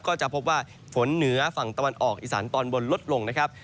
ก็จะพบว่าฝนเหนือฝั่งตะวันออกอีสานตอนบนลดลงนะครับ